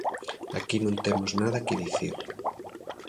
Aquí non temos nada que dicir.